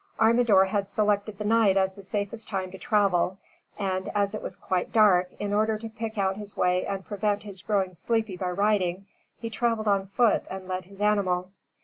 Armador had selected the night as the safest time to travel; and, as it was quite dark, in order to pick out his way and prevent his growing sleepy by riding, he traveled on foot and led his animal.